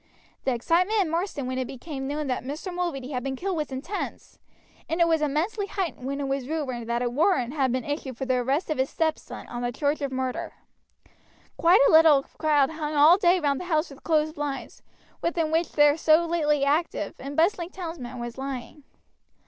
The excitement in Marsden when it became known that Mr. Mulready had been killed was intense, and it was immensely heightened when it was rumored that a warrant had been issued for the arrest of his stepson on the charge of murder. Quite a little crowd hung all day round the house with closed blinds, within which their so lately active and bustling townsman was lying.